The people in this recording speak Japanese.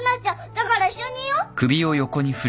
だから一緒にいよう。